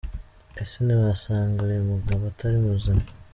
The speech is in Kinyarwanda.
Ese ntiwasanga uyu mugabo atari muzima ?.